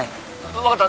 分かった。